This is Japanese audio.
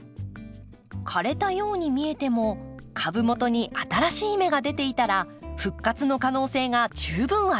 枯れたように見えても株元に新しい芽が出ていたら復活の可能性が十分あります。